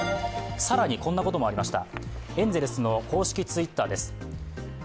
更に、こんなこともありました。